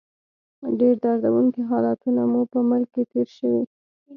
ډېر دردونکي حالتونه مو په ملک کې تېر شوي.